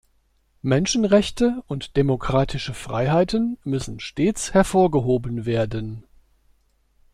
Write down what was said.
Menschenrechte und demokratische Freiheiten müssen stets hervorgehoben werden.